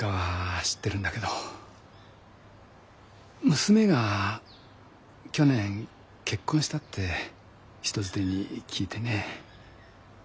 娘が去年結婚したって人づてに聞いてね。